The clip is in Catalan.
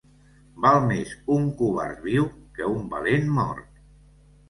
Val més un covard viu que un valent mort.